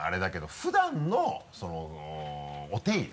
普段のお手入れ？